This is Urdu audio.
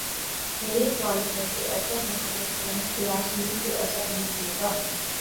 میری خواہش ہے کہ ایسا ہو مگر قرین قیاس یہی کہ ایسا نہیں ہو گا۔